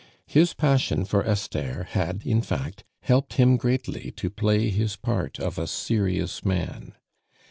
His passion for Esther had, in fact, helped him greatly to play his part of a serious man.